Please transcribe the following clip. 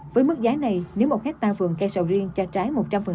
với mức giá này nếu một hectare vườn cây sầu riêng cho trái một trăm linh